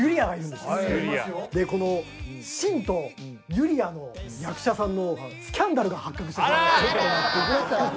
でこのシンとユリアの役者さんのスキャンダルが発覚してしまいまして。